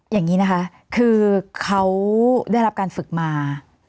อย่างนี้นะคะคือเขาได้รับการฝึกมา